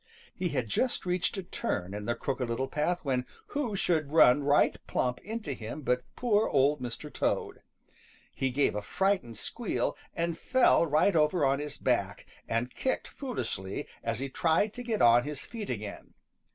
He had just reached a turn in the Crooked Little Path when who should run right plump into him but poor Old Mr. Toad. He gave a frightened squeal and fell right over on his back, and kicked foolishly as he tried to get on his feet again.